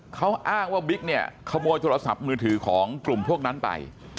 เขาอ้างว่าบิ๊กเนี่ยขโมยโทรศัพท์มือถือของกลุ่มพวกนั้นไป